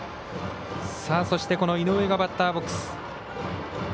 そして井上がバッターボックス。